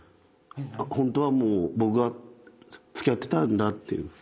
ホントはもう僕が付き合ってたんだっていう。